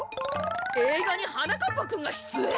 えいがにはなかっぱくんがしゅつえん！？